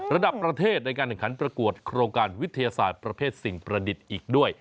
ระดับประเทศในการแข่งขันประกวดโครงการวิทยาศาสตร์ประเภทสิ่งประดิษฐ์อีกด้วย